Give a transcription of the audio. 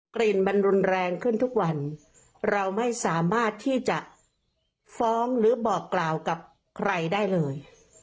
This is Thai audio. กลิ่นมันรุนแรงขึ้นทุกวันเราไม่สามารถที่จะฟ้องหรือบอกกล่าวกับใครได้เลย